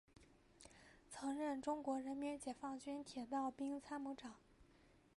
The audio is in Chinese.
曾任中国人民解放军铁道兵参谋长。